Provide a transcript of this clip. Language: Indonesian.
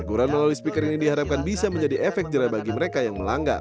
teguran melalui speaker ini diharapkan bisa menjadi efek jerah bagi mereka yang melanggar